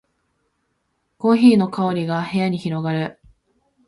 コーヒーの香りが部屋に広がる